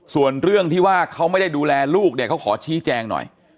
ส่วนเรื่องที่ว่าเขาไม่ได้ดูแลลูกเนี่ยเขาขอชี้แจงหน่อย